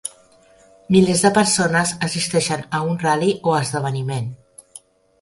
Milers de persones assisteixen a un ral·li o esdeveniment.